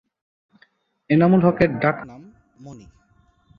এনামুল হকের ডাক নাম "মনি"।